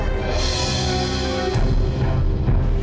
busuk di penjahat